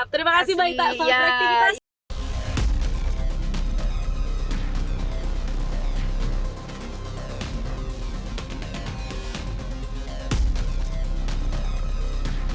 terima kasih banyak